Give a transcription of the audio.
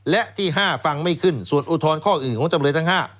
และที่๕ฟังไม่ขึ้นส่วนอุทธรณ์ข้ออื่นของจำเลยทั้ง๕